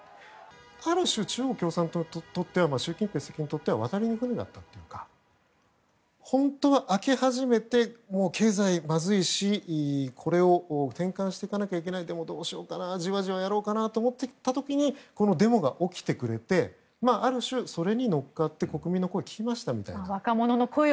ある種、中国共産党にとっては習近平主席にとっては渡りに舟だったというか本当は開け始めて経済まずいしこれを転換していかなきゃいけないけど、どうしようかなじわじわやろうかなと思った時にこのデモが起きてくれてある種それに乗っかって国民の声を聞きましたと。